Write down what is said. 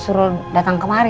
suro datang kemari